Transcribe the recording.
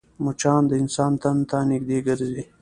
مچان د انسان تن ته نږدې ګرځي